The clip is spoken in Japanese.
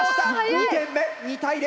２点目２対０。